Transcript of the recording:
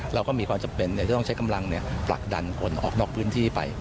เราก็มีความจำเป็นจะต้องใช้กำลังผลักดันคนออกนอกพื้นที่ไป